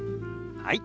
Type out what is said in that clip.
はい。